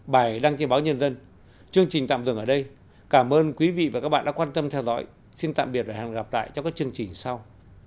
bài đăng trên báo nhân dân chương trình tạm dừng ở đây cảm ơn quý vị và các bạn đã quan tâm theo dõi xin tạm biệt và hẹn gặp lại trong các chương trình sau